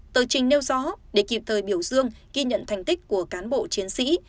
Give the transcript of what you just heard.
tờ trình nêu rõ để kịp thời biểu dương ghi nhận thành tích của cán bộ chiến sĩ